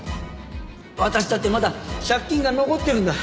私だってまだ借金が残っているんだ。